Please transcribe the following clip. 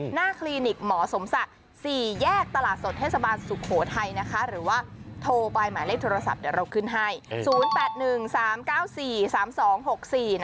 คลินิกหมอสมศักดิ์๔แยกตลาดสดเทศบาลสุโขทัยนะคะหรือว่าโทรไปหมายเลขโทรศัพท์เดี๋ยวเราขึ้นให้๐๘๑๓๙๔๓๒๖๔